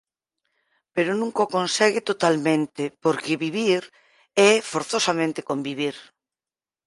Pero nunca o consegue totalmente porque vivir é forzosamente convivir.